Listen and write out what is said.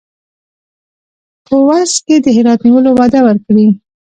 په عوض کې د هرات نیولو وعده ورکړي.